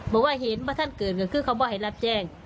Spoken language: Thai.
บอกว่าเห็นว่าท่านเกิดก็คือคำว่าให้รับแจ้ง